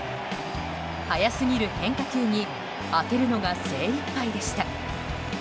速すぎる変化球に当てるのが精いっぱいでした。